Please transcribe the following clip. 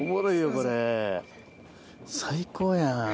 これ最高やん。